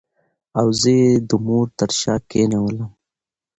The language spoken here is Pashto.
او زه یې د مور تر شا کېنولم.